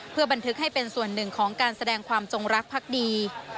เพื่อบันทึกให้เป็นส่วนหนึ่งของการแสดงความจงรักพักดี